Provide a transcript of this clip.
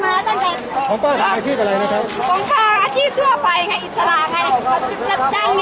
อาหรับเชี่ยวจามันไม่มีควรหยุด